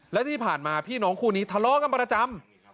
และที่ผ่านมาพี่น้องคู่นี้ทะเลาะกันประจำ